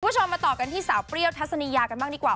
คุณผู้ชมมาต่อกันที่สาวเปรี้ยวทัศนียากันบ้างดีกว่า